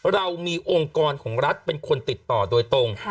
เรามีองค์กรของรัฐเป็นคนติดต่อโดยตรง